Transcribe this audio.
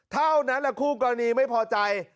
เท่านั้นแหละคู่กรณีไม่พอใจ